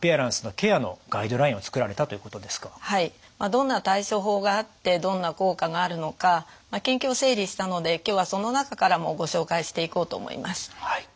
どんな対処法があってどんな効果があるのか研究を整理したので今日はその中からもご紹介していこうと思います。